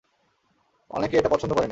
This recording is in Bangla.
অনেকে এটা পছন্দ করে নি।